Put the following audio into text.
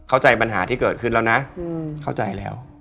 เข้าใจปัญหาที่เกิดขึ้นแล้วนะเข้าใจแล้ว